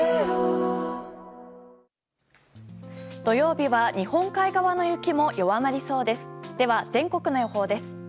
土曜日は日本海側の雪も弱まりそうです。